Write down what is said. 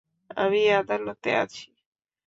আমি আদালতে আছি।